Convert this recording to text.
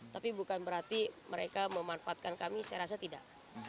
tapi bukan berarti mereka memanfaatkan kami saya rasa tidak